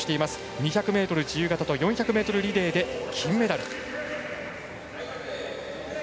２００ｍ自由形と４００ｍリレーで金メダル。